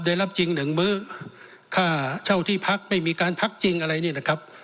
จริงหนึ่งมื้อค่าเช่าที่พักไม่มีการพักจริงอะไรเนี่ยนะครับ